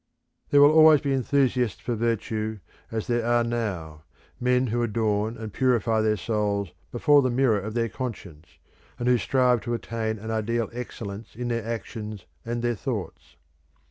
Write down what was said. There will always be enthusiasts for virtue as there are now, men who adorn and purify their souls before the mirror of their conscience, and who strive to attain an ideal excellence in their actions and their thoughts.